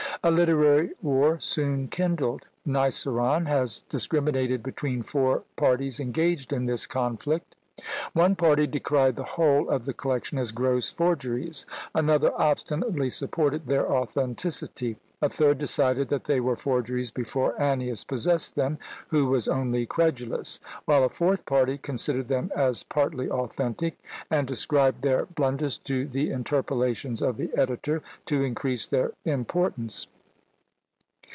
A literary war soon kindled; Niceron has discriminated between four parties engaged in this conflict. One party decried the whole of the collection as gross forgeries; another obstinately supported their authenticity; a third decided that they were forgeries before Annius possessed them, who was only credulous; while a fourth party considered them as partly authentic, and ascribed their blunders to the interpolations of the editor, to increase their importance.